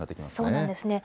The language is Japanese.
そうなんですね。